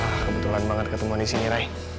wah kebetulan banget ketemu di sini ray